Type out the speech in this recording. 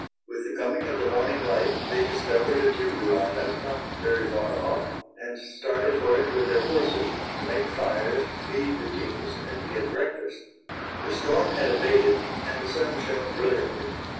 With the coming of the morning light they discovered a timber island not very far off, and started for it with their horses, to make fires, feed the teams, and get breakfast. The storm had abated, and the sun shone brilliantly.